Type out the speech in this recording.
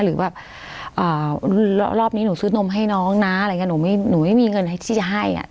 หรือแบบรอบนี้หนูซื้อนมให้น้องนะหนูไม่มีเงินที่จะให้